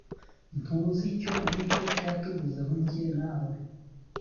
ntuzi icyo uwiteka yatuvuzeho jyewe nawe